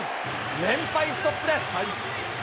連敗ストップです。